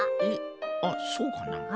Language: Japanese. えっあっそうかな？